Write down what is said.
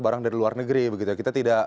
barang dari luar negeri begitu kita tidak